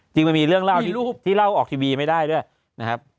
จริงมันมีเรื่องเล่าที่เล่าออกทีวีไม่ได้ด้วยนะครับ